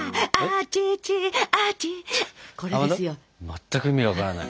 全く意味分からない。